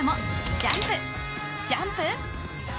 ジャンプ！